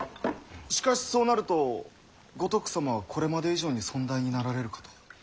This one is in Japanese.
しかしそうなると五徳様はこれまで以上に尊大になられるかと。